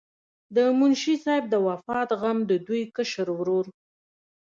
د منشي صاحب د وفات غم د دوي کشر ورور